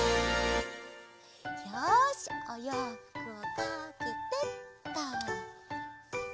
よしおようふくをかけてっと！